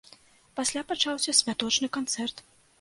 Пасля пачаўся святочны канцэрт.